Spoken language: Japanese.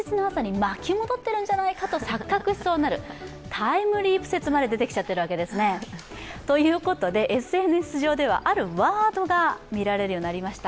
タイムリープ説まで出てきちゃってるわけですね。ということで、ＳＮＳ上ではあるワードが見られるようになりました。